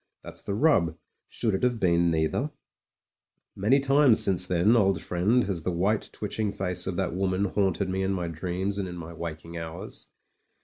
That's the rub ; should it have been neither ? Many times since then, old friend, has the white twitching face of that woman haunted me in my dreams and in my waking hours.